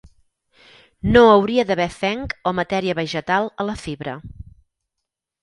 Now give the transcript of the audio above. No hauria d'haver fenc o matèria vegetal a la fibra.